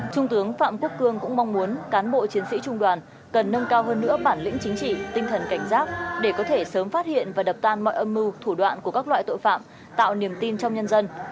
trung tướng phạm quốc cường cũng mong muốn cán bộ chiến sĩ trung đoàn cần nâng cao hơn nữa bản lĩnh chính trị tinh thần cảnh giác để có thể sớm phát hiện và đập tan mọi âm mưu thủ đoạn của các loại tội phạm tạo niềm tin trong nhân dân